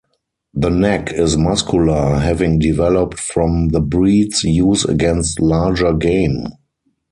The neck is muscular, having developed from the breed's use against larger game.